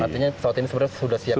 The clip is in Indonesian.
artinya pesawat ini sebenarnya sudah siap